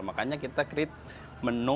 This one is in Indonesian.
makanya kita create menu menu yang enak